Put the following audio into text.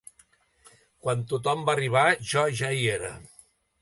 Quan tothom va arribar jo ja hi era.